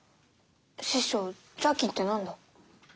師匠邪気って何だ？